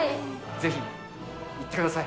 ぜひ、いってください。